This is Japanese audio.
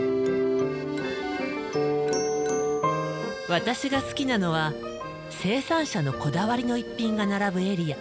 私が好きなのは生産者のこだわりの一品が並ぶエリア。